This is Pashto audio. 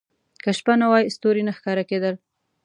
• که شپه نه وای، ستوري نه ښکاره کېدل.